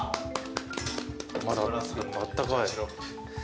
まだあったかい。